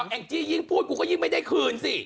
แองจี้ยิ่งพูดกูก็ยิ่งไม่ได้คืนสิ